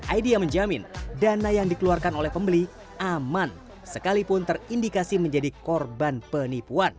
aidia menjamin dana yang dikeluarkan oleh pembeli aman sekalipun terindikasi menjadi korban penipuan